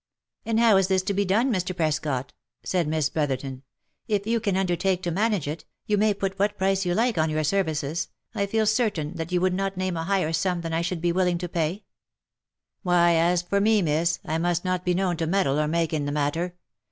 " And how is this to be done, Mr. Prescot?" said Miss Brotherton, " if you can undertake to manage it, you may put what price you like on your services, I feel certain that you would not name a higher sum than I should be willing to pay." '* Why, as for me, miss, I must not be known to meddle or make in the matter.